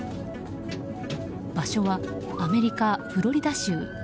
場所はアメリカ・フロリダ州。